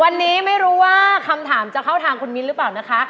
วันนี้ไม่รู้ว่าคำถามจะเข้าทางคุณมิ้นหรือเปล่านะคะ